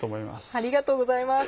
ありがとうございます。